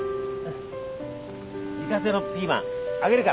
自家製のピーマンあげるから。